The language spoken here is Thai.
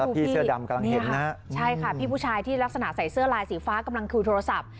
พี่เสื้อดำกำลังเห็นใช่ค่ะพี่ผู้ชายที่ลักษณะใส่เสื้อลายสีฟ้ากำลังคุยโทรศัพท์